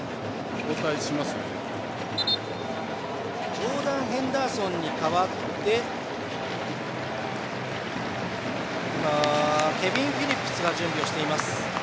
ジョーダン・ヘンダーソンに代わってケビン・フィリップスが準備をしています。